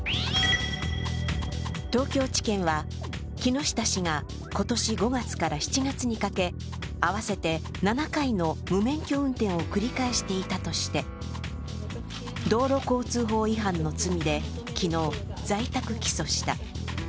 東京地検は、木下氏が今年５月から７月にかけ、合わせて７回の無免許運転を繰り返していたとして道路交通法違反の罪で昨日、在宅起訴した。